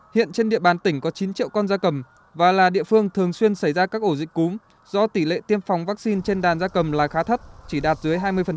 hiện trên địa bàn tỉnh có chín triệu con da cầm và là địa phương thường xuyên xảy ra các ổ dịch cúm do tỷ lệ tiêm phòng vaccine trên đàn da cầm là khá thấp chỉ đạt dưới hai mươi